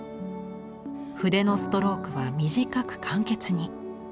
筆のストロークは短く簡潔に。